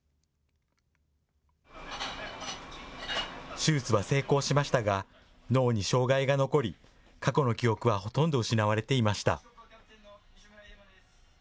手術は成功しましたが、脳に障害が残り、過去の記憶はほとんど失われていました。